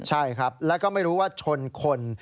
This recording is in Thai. ใช่ครับแล้วก็ไม่รู้ว่าชนคน